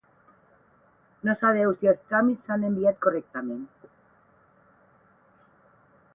No sabeu si el tràmit s'ha enviat correctament.